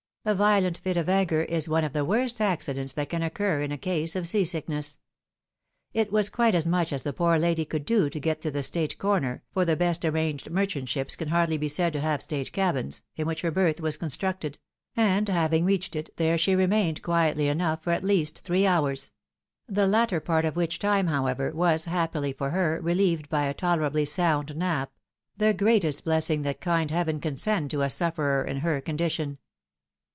A violent fit of anger is one of the worst accidents that can occur in a case of sea sickness. It was quite as much as the poor lady could do to get to the state corner (for the best arranged mer chant ships can hardly be said to have state cabins) in which her berth was constructed; and having reached it, there she remained, quietly enough, for at least three hours ; the latter part of which time, however, was, happily for her, relieved by a tolerably sound nap — the greatest blessing that kind Heaven can send to a sufferer in her condition.